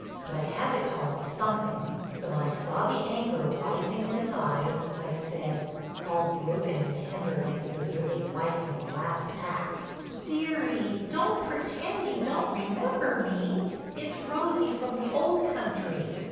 But I had to call him something, so when I saw the anger rising in his eyes, I said, all broken and tender like the deserted wife in the last act: "Dearie, don't pretend you don't remember me—it's Rosie from the old country."